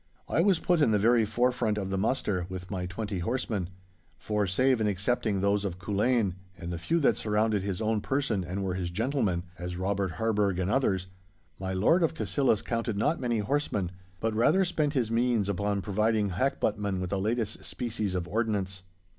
I was put in the very forefront of the muster with my twenty horsemen. For, save and excepting those of Culzean, and the few that surrounded his own person and were his gentlemen (as Robert Harburgh and others), my Lord of Cassillis counted not many horsemen, but rather spent his means upon providing hackbuttmen with the latest species of ordnance.